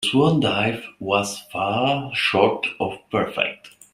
The swan dive was far short of perfect.